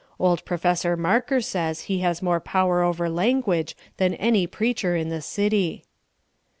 Old Professor Marker says he has more power over language than any preacher in the city."